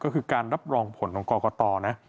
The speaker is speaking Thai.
ก็คือการรับรองผลของกรกตนะ